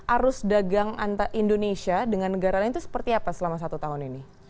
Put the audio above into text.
arus dagang indonesia dengan negara lain itu seperti apa selama satu tahun ini